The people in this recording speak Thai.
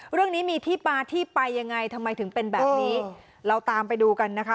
เรื่องนี้มีที่มาที่ไปยังไงทำไมถึงเป็นแบบนี้เราตามไปดูกันนะคะ